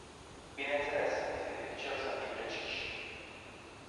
Bineînțeles, este dificil să fim preciși.